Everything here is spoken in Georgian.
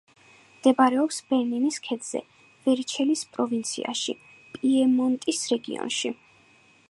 მდებარეობს ბერნინის ქედზე, ვერჩელის პროვინციაში, პიემონტის რეგიონში.